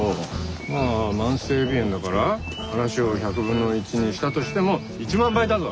まあ慢性鼻炎だから話を１００分の１にしたとしても１万倍だぞ。